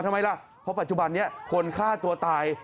ทำไมล่ะเพราะปัจจุบันนี้คนฆ่าตัวตาย